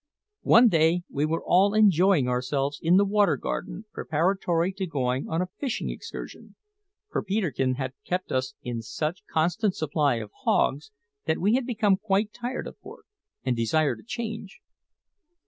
One day we were all enjoying ourselves in the Water Garden preparatory to going on a fishing excursion, for Peterkin had kept us in such constant supply of hogs that we had become quite tired of pork and desired a change.